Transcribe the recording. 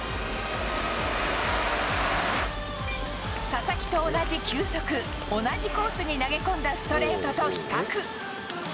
佐々木と同じ球速、同じコースに投げ込んだストレートと比較。